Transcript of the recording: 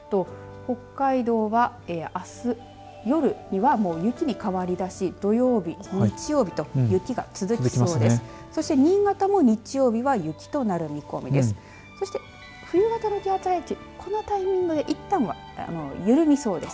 この先の予報で見ていくと北海道はあす夜には雪に変わりだし土曜日、日曜日と雪が続きそうです。